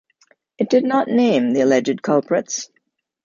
It did not name the alleged culprits.